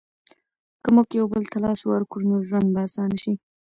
که موږ یو بل ته لاس ورکړو نو ژوند به اسانه شي.